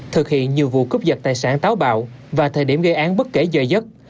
thực hiện nhiều vụ cướp giật tài sản táo bạo và thời điểm gây án bất kể giờ giấc